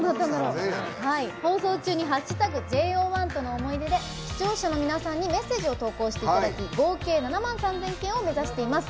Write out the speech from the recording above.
放送中に「＃ＪＯ１との思い出」で視聴者の皆さんにメッセージを投稿していただき合計７万３０００件を目指しています。